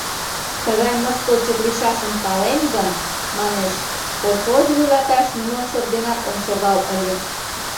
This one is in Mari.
— Тыгай мыскылчык лийшашым палем гын, манеш, колхоз вуйлаташ нимо шот денат ом шогал ыле.